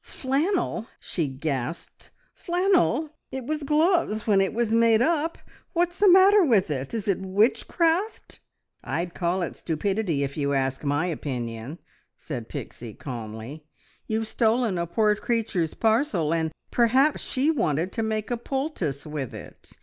"F flannel!" she gasped. "Flannel! It was gloves when it was made up. What's the matter with it is it witchcraft?" "I'd call it stupidity, if you asked my opinion," said Pixie calmly. "You've stolen a poor creature's parcel, and perhaps she wanted to make a poultice with it.